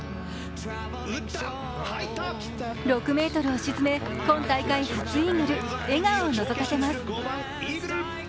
６ｍを沈め、今大会初イーグル、笑顔をのぞかせます。